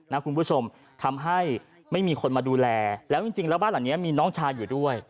คุณผู้ชมทำให้ไม่มีคนมาดูแลแล้วจริงแล้วบ้านหลังนี้มีน้องชายอยู่ด้วย